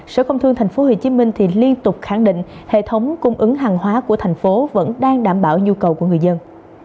sở công thương tp hcm liên tục khẳng định hệ thống cung ứng hàng hóa của thành phố vẫn đang đảm bảo nhu cầu của người dân